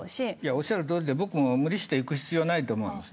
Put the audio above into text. おっしゃるとおりで、僕も無理して行く必要ないと思います。